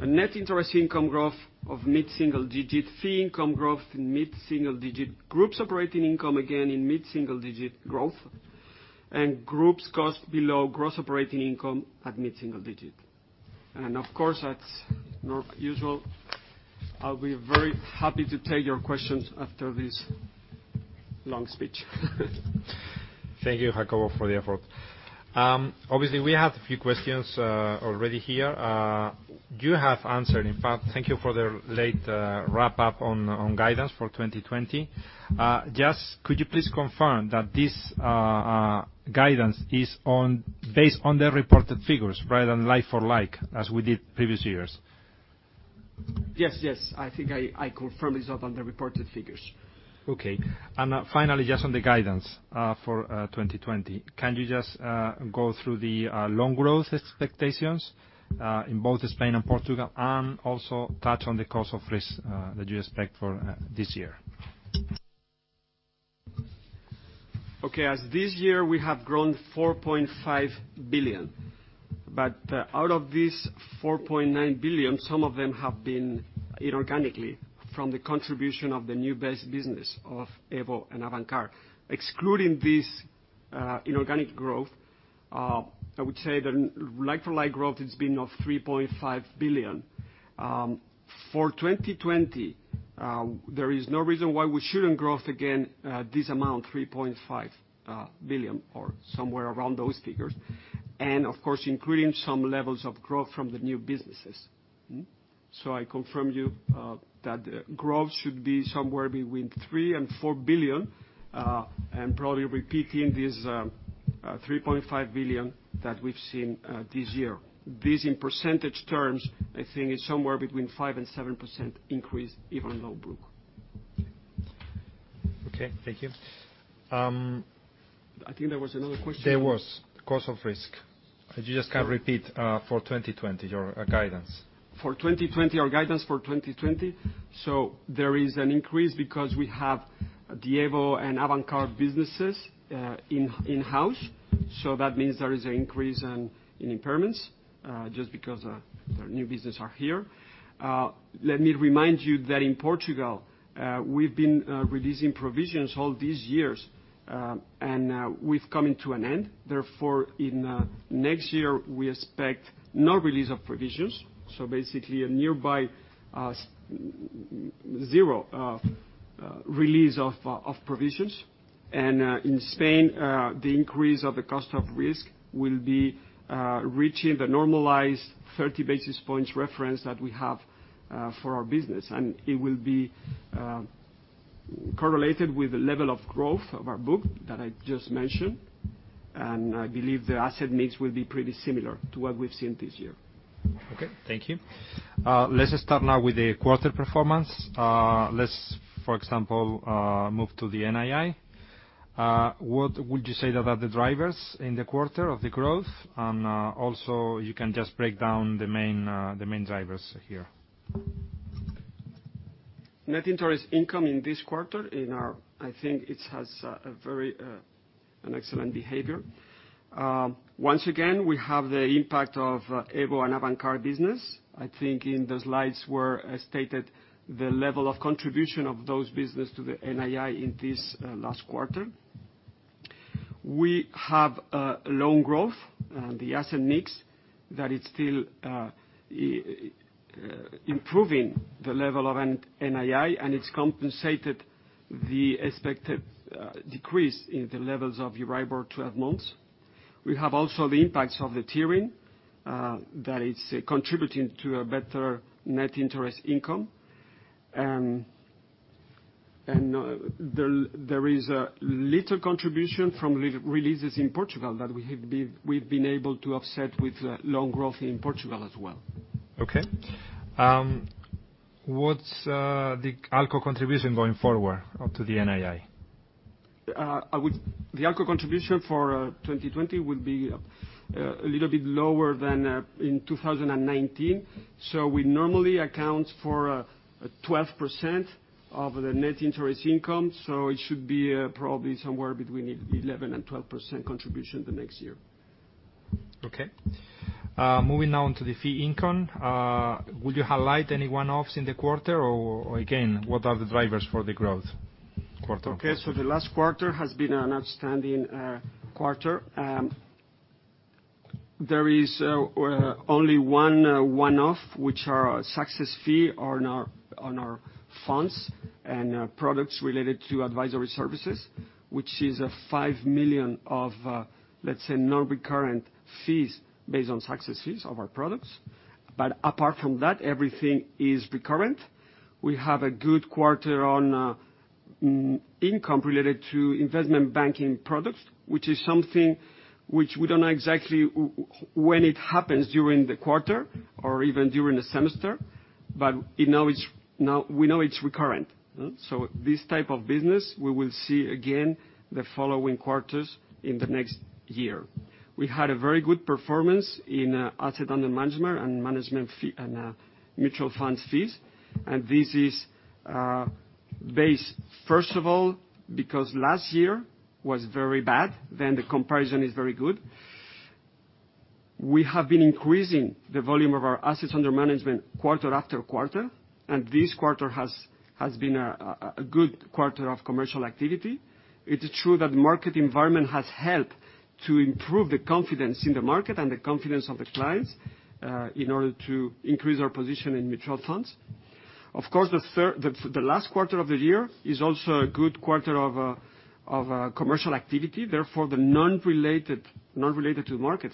Net interest income growth of mid-single digit, fee income growth in mid-single digit, group's operating income, again, in mid-single digit growth, group's cost below gross operating income at mid-single digit. Of course, that's usual. I'll be very happy to take your questions after this long speech. Thank you, Jacobo, for the effort. Obviously, we have a few questions already here. You have answered, in fact, thank you for the late wrap-up on guidance for 2020. Just could you please confirm that this guidance is based on the reported figures rather than like-for-like, as we did previous years? Yes. I think I confirmed this on the reported figures. Okay. Finally, just on the guidance for 2020, can you just go through the loan growth expectations, in both Spain and Portugal, and also touch on the cost of risk that you expect for this year? Okay. As this year, we have grown 4.5 billion. Out of this 4.9 billion, some of them have been inorganically from the contribution of the new business of EVO and Avantcard. Excluding this inorganic growth, I would say the like-for-like growth has been of 3.5 billion. For 2020, there is no reason why we shouldn't grow again this amount, 3.5 billion or somewhere around those figures. Of course, including some levels of growth from the new businesses. I confirm you that growth should be somewhere between 3 billion-4 billion, and probably repeating this 3.5 billion that we've seen this year. This, in percentage terms, I think is somewhere between 5%-7% increase even loan book. Okay, thank you. I think there was another question. Cost of risk, could you just repeat for 2020, your guidance? For 2020, our guidance for 2020, there is an increase because we have the EVO and Avantcard businesses in-house. That means there is an increase in impairments, just because the new business are here. Let me remind you that in Portugal, we've been releasing provisions all these years, we've come into an end. Therefore, in next year, we expect no release of provisions. Basically, a nearby zero release of provisions. In Spain, the increase of the cost of risk will be reaching the normalized 30 basis points reference that we have for our business. It will be correlated with the level of growth of our book that I just mentioned. I believe the asset mix will be pretty similar to what we've seen this year. Okay. Thank you. Let's start now with the quarter performance. Let's, for example, move to the NII. What would you say about the drivers in the quarter of the growth? Also, you can just break down the main drivers here. Net interest income in this quarter, I think it has an excellent behavior. Once again, we have the impact of EVO and Avantcard business. I think in the slides where I stated the level of contribution of those business to the NII in this last quarter. We have loan growth, the asset mix, that is still improving the level of NII, and it's compensated the expected decrease in the levels of EURIBOR 12 months. We have also the impacts of the tiering, that is contributing to a better net interest income. There is a little contribution from releases in Portugal that we've been able to offset with loan growth in Portugal as well. Okay. What's the ALCO contribution going forward onto the NII? The ALCO contribution for 2020 will be a little bit lower than in 2019. We normally account for 12% of the net interest income, so it should be probably somewhere between 11% and 12% contribution the next year. Okay. Moving now on to the fee income. Would you highlight any one-offs in the quarter, or again, what are the drivers for the growth quarter on quarter? Okay, the last quarter has been an outstanding quarter. There is only one one-off, which are success fee on our funds and products related to advisory services, which is a 5 million of, let's say, non-recurrent fees based on successes of our products. Apart from that, everything is recurrent. We have a good quarter on income related to investment banking products, which is something which we don't know exactly when it happens during the quarter or even during the semester, but we know it's recurrent. This type of business, we will see again the following quarters in the next year. We had a very good performance in asset under management and mutual funds fees. This is based, first of all, because last year was very bad, then the comparison is very good. We have been increasing the volume of our assets under management quarter after quarter. This quarter has been a good quarter of commercial activity. It is true that the market environment has helped to improve the confidence in the market, and the confidence of the clients, in order to increase our position in mutual funds. Of course, the last quarter of the year is also a good quarter of commercial activity. Therefore, the non-market related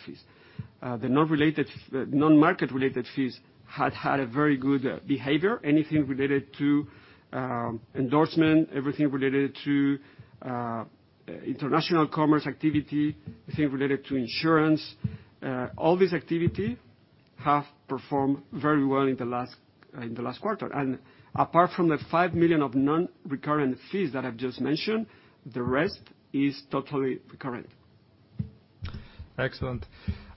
fees had a very good behavior. Anything related to endorsement, everything related to international commerce activity, everything related to insurance, all this activity have performed very well in the last quarter. Apart from the 5 million of non-recurrent fees that I've just mentioned, the rest is totally recurrent. Excellent.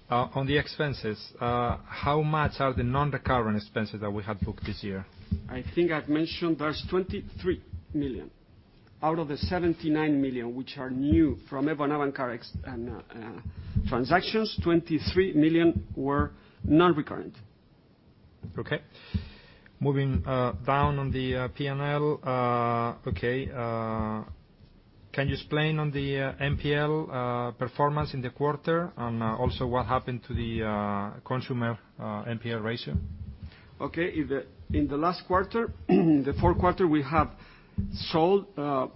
On the expenses, how much are the non-recurrent expenses that we had booked this year? I think I've mentioned there's 23 million out of the 79 million, which are new from EVO and Avantcard transactions, 23 million were non-recurrent. Okay. Moving down on the P&L. Okay. Can you explain on the NPL performance in the quarter and also what happened to the consumer NPL ratio? Okay. In the last quarter, the fourth quarter, we have sold a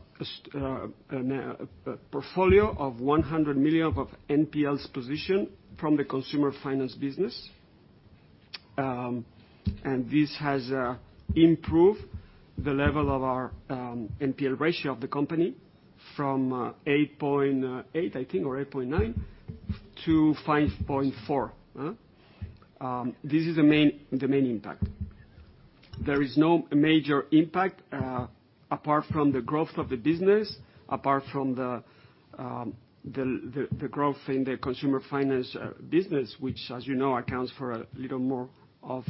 portfolio of 100 million of NPLs position from the consumer finance business. This has improved the level of our NPL ratio of the company from 8.8%, I think, or 8.9% to 5.4%. This is the main impact. There is no major impact apart from the growth of the business, apart from the growth in the consumer finance business, which, as you know, accounts for a little more of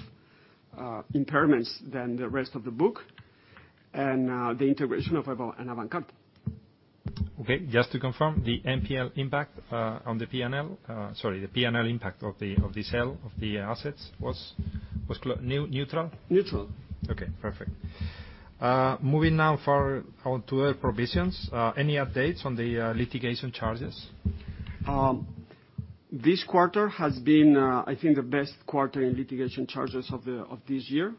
impairments than the rest of the book, and the integration of EVO and Avantcard. Okay. Just to confirm, the P&L impact of the sale of the assets was neutral? Neutral. Okay, perfect. Moving now to our provisions. Any updates on the litigation charges? This quarter has been, I think, the best quarter in litigation charges of this year.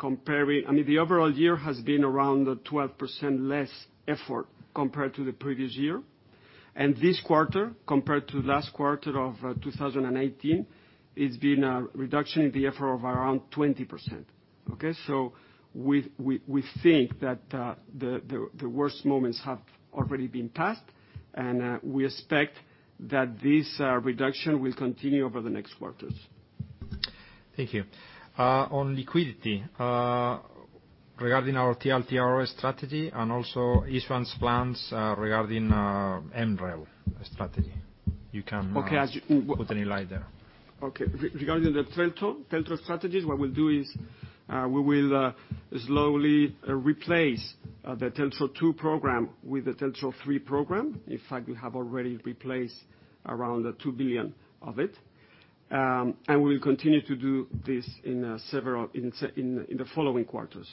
The overall year has been around 12% less effort compared to the previous year. This quarter, compared to last quarter of 2018, it's been a reduction in the effort of around 20%. Okay? We think that the worst moments have already been passed, and we expect that this reduction will continue over the next quarters. Thank you. On liquidity, regarding our TLTRO strategy and also issuance plans regarding MREL strategy, you can put any light there? Okay. Regarding the TLTRO strategies, what we'll do is, we will slowly replace the TLTRO II program with the TLTRO III program. In fact, we have already replaced around 2 billion of it. We will continue to do this in the following quarters.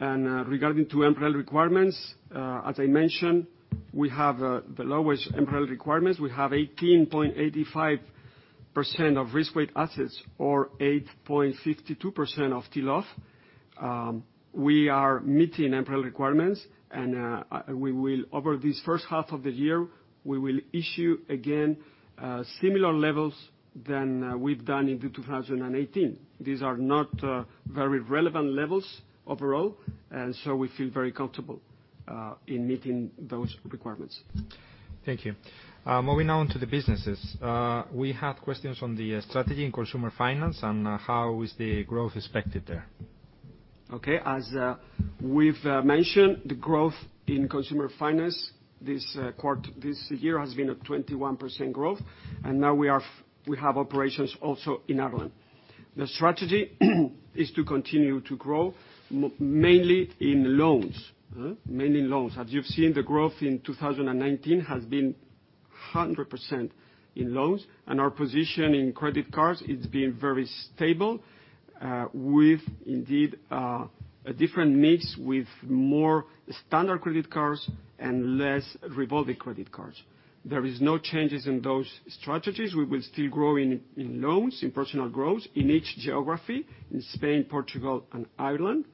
Regarding to MREL requirements, as I mentioned, we have the lowest MREL requirements. We have 18.85% of risk-weighted assets or 8.52% of TLOF. We are meeting MREL requirements and over this first half of the year, we will issue again similar levels than we've done in 2018. These are not very relevant levels overall, and so we feel very comfortable in meeting those requirements. Thank you. Moving on to the businesses. We have questions on the strategy in Consumer Finance and how is the growth expected there. Okay. As we've mentioned, the growth in consumer finance this year has been a 21% growth, and now we have operations also in Ireland. The strategy is to continue to grow mainly in loans. As you've seen, the growth in 2019 has been 100% in loans, and our position in credit cards is being very stable, with indeed a different mix, with more standard credit cards and less revolving credit cards. There is no changes in those strategies. We will still grow in loans, in personal growth, in each geography, in Spain, Portugal and Ireland.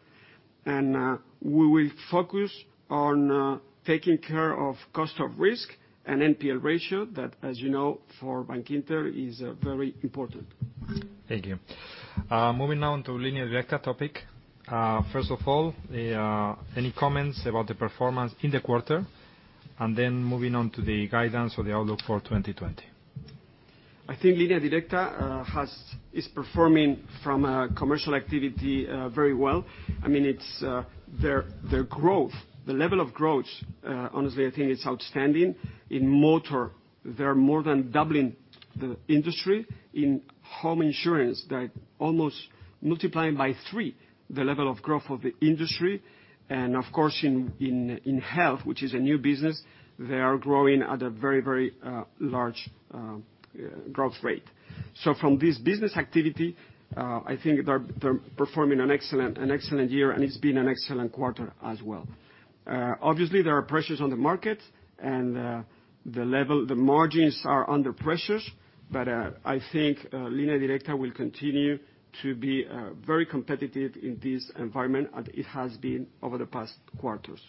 We will focus on taking care of cost of risk and NPL ratio that, as you know, for Bankinter, is very important. Thank you. Moving now to Línea Directa topic. First of all, any comments about the performance in the quarter? Moving on to the guidance or the outlook for 2020. I think Línea Directa is performing from a commercial activity very well. Their growth, the level of growth, honestly, I think is outstanding. In motor, they're more than doubling the industry. In home insurance, they're almost multiplying by three the level of growth of the industry. Of course, in health, which is a new business, they are growing at a very large growth rate. From this business activity, I think they're performing an excellent year, and it's been an excellent quarter as well. Obviously, there are pressures on the market, and the margins are under pressures. I think Línea Directa will continue to be very competitive in this environment, as it has been over the past quarters.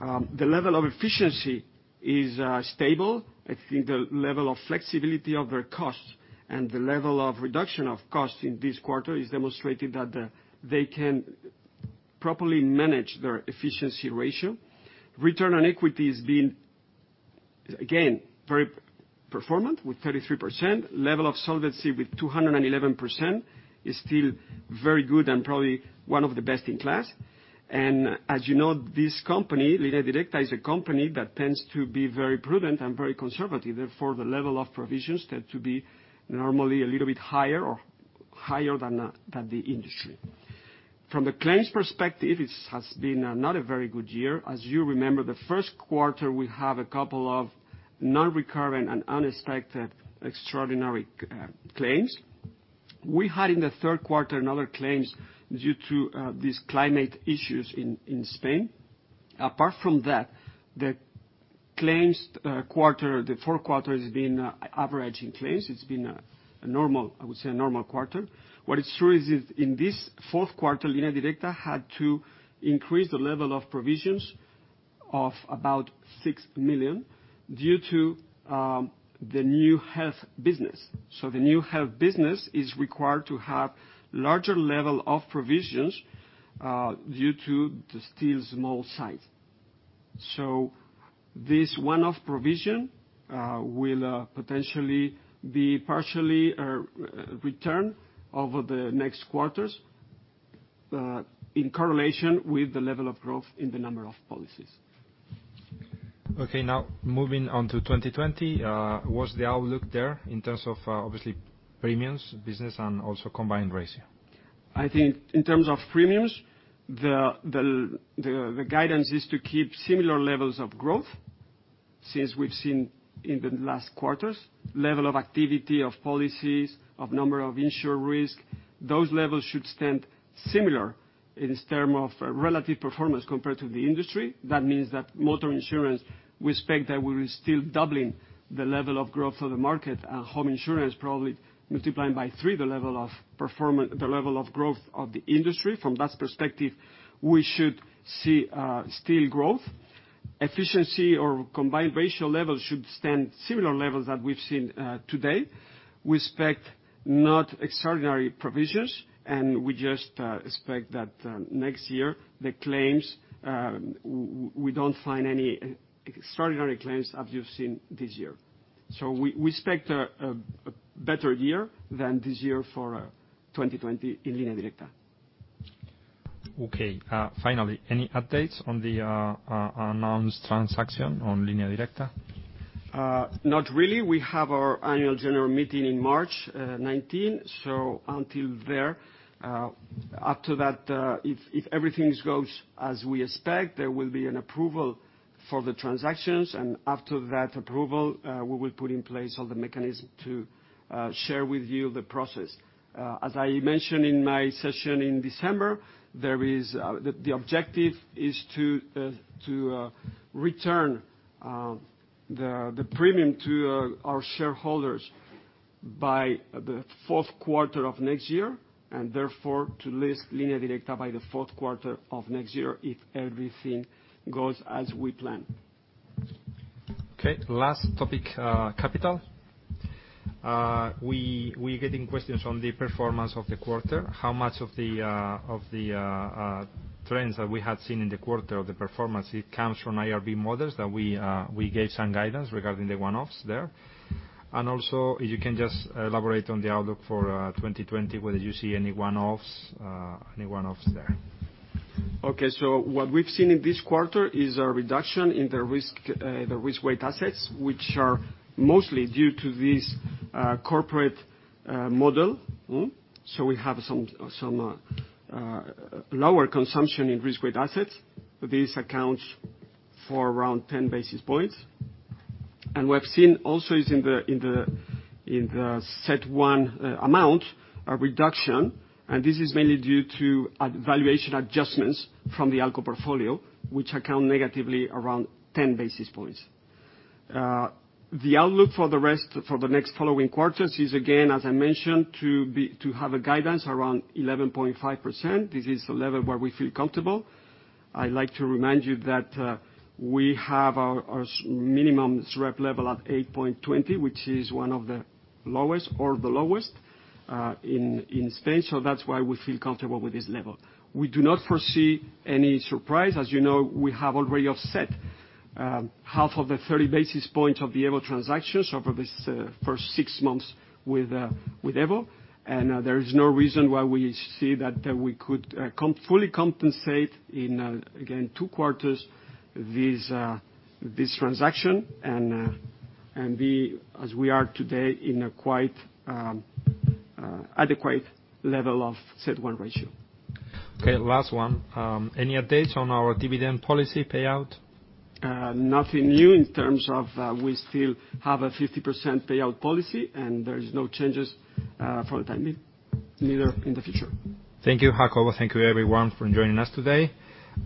The level of efficiency is stable. I think the level of flexibility of their costs and the level of reduction of costs in this quarter is demonstrating that they can properly manage their efficiency ratio. Return on equity has been, again, very performant with 33%. Level of solvency with 211% is still very good and probably one of the best in class. As you know, this company, Línea Directa, is a company that tends to be very prudent and very conservative. Therefore, the level of provisions tend to be normally a little bit higher or higher than the industry. From the claims perspective, it has been not a very good year. As you remember, the first quarter, we have a couple of non-recurrent and unexpected extraordinary claims. We had in the third quarter another claims due to these climate issues in Spain. Apart from that, the claims quarter, the fourth quarter has been averaging claims. It's been, I would say, a normal quarter. What is true is that in this fourth quarter, Línea Directa had to increase the level of provisions of about 6 million due to the new health business. The new health business is required to have larger level of provisions due to the still small size. This one-off provision will potentially be partially returned over the next quarters in correlation with the level of growth in the number of policies. Okay. Moving on to 2020. What's the outlook there in terms of, obviously, premiums business and also combined ratio? I think in terms of premiums, the guidance is to keep similar levels of growth since we've seen in the last quarters. Level of activity of policies, of number of insured risk, those levels should stand similar in this term of relative performance compared to the industry. That means that motor insurance, we expect that we're still doubling the level of growth of the market, and home insurance probably multiplying by three the level of growth of the industry. From that perspective, we should see still growth. Efficiency or combined ratio levels should stand similar levels that we've seen today. We expect not extraordinary provisions. We just expect that next year, the claims, we don't find any extraordinary claims as you've seen this year. We expect a better year than this year for 2020 in Línea Directa. Okay. Finally, any updates on the announced transaction on Línea Directa? Not really. We have our annual general meeting in March 19. Until there. After that, if everything goes as we expect, there will be an approval for the transactions. After that approval, we will put in place all the mechanisms to share with you the process. As I mentioned in my session in December, the objective is to return the premium to our shareholders by the fourth quarter of next year, and therefore to list Línea Directa by the fourth quarter of next year if everything goes as we plan. Okay, last topic, capital. We're getting questions on the performance of the quarter. How much of the trends that we had seen in the quarter of the performance, it comes from IRB models that we gave some guidance regarding the one-offs there. Also, you can just elaborate on the outlook for 2020, whether you see any one-offs there. Okay. What we've seen in this quarter is a reduction in the risk-weighted assets, which are mostly due to this corporate model. We have some lower consumption in risk-weighted assets. This accounts for around 10 basis points. We have seen also is in the CET1 amount, a reduction, and this is mainly due to valuation adjustments from the ALCO portfolio, which account negatively around 10 basis points. The outlook for the next following quarters is, again, as I mentioned, to have a guidance around 11.5%. This is the level where we feel comfortable. I'd like to remind you that we have our minimum SREP level at 8.20%, which is one of the lowest or the lowest in Spain. That's why we feel comfortable with this level. We do not foresee any surprise. As you know, we have already offset half of the 30 basis points of the EVO transactions over this first six months with EVO. There is no reason why we see that we could fully compensate in, again, two quarters this transaction and be, as we are today, in a quite adequate level of CET1 ratio. Okay, last one. Any updates on our dividend policy payout? Nothing new in terms of we still have a 50% payout policy, and there is no changes for the time being, neither in the future. Thank you, Jacobo. Thank you, everyone, for joining us today.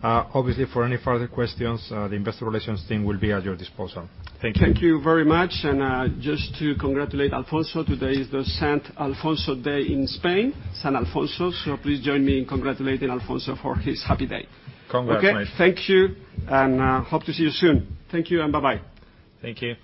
Obviously, for any further questions, the investor relations team will be at your disposal. Thank you. Thank you very much. Just to congratulate Alfonso, today is the Saint Alfonso Day in Spain, San Alfonso. Please join me in congratulating Alfonso for his happy day. Congrats, mate. Okay. Thank you, and hope to see you soon. Thank you, and bye-bye. Thank you.